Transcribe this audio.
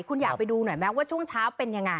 คุณอยากไปดูหน่อยไหมว่าช่วงเช้าเป็นยังไง